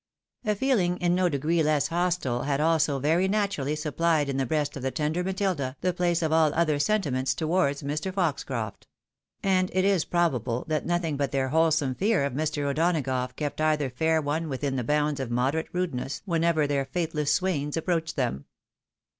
A feeling in no degree less hostile had also, very naturally, supplied, in ^he • breast of the tender Matilda, the place of all other sentiments towards Mr. Foxcroft ; and it is probable that nothing but their wholesome fear of Mr. O'Donagough kept either fair one within the bounds of moderate rudeness, whenever their faitliless swains approached them.